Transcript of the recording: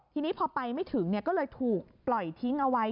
ทีนี้พอไปไม่ถึงก็เลยถูกปล่อยทิ้งเอาไว้